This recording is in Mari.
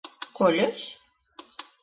Кольыч?